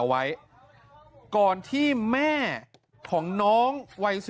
หัวดูลาย